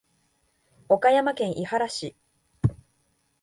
岡山県井原市